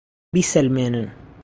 بیسەلمێنن!